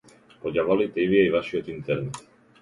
По ѓаволите и вие и вашиот интернет.